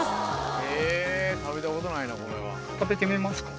食べてみますか